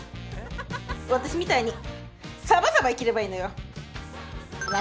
ワタシみたいにサバサバ生きればいいのよ。